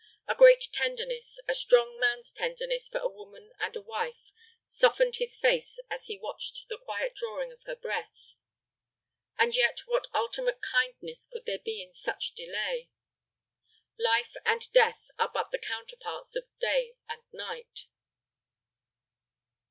A great tenderness, a strong man's tenderness for a woman and a wife, softened his face as he watched the quiet drawing of her breath. And yet what ultimate kindness could there be in such delay? Life and death are but the counterparts of day and night.